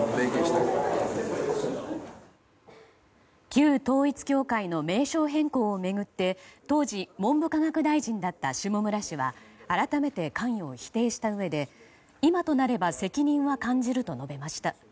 旧統一教会の名称変更を巡って当時、文部科学大臣だった下村氏は改めて関与を否定したうえで今となれば責任は感じると述べました。